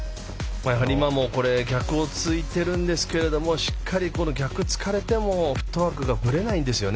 今も逆をついてるんですがしっかり逆つかれてもフットワークがぶれないんですよね